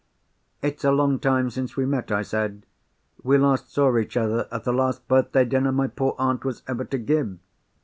"It's a long time since we met," I said. "We last saw each other at the last birthday dinner my poor aunt was ever to give."